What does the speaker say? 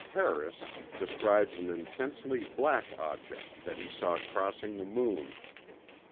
Harris described an intensely black object that he saw crossing the moon.